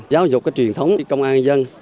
giáo dục cái truyền thống công an dân